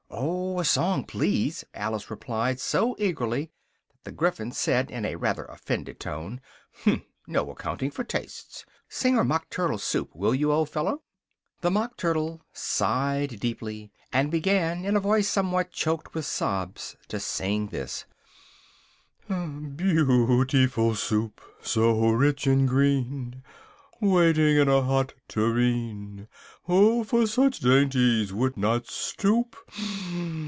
"Oh, a song, please!" Alice replied, so eagerly, that the Gryphon said, in a rather offended tone, "hm! no accounting for tastes! Sing her 'Mock Turtle Soup', will you, old fellow!" The Mock Turtle sighed deeply, and began, in a voice sometimes choked with sobs, to sing this: "Beautiful Soup, so rich and green, Waiting in a hot tureen! Who for such dainties would not stoop?